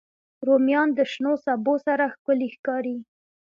رومیان د شنو سبو سره ښکلي ښکاري